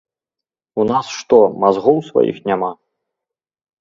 У нас што, мазгоў сваіх няма?